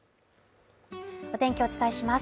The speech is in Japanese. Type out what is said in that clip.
お天気をお伝えします。